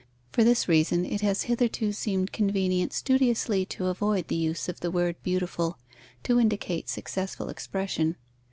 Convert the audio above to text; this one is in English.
For this reason it has hitherto seemed convenient studiously to avoid the use of the word beautiful to indicate successful expression.